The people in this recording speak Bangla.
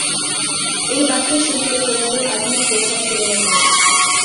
এই বাক্যের সহিত তোমাদের আধুনিক প্রথার তুলনা কর।